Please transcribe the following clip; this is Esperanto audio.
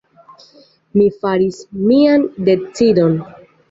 Mi faris mian decidon.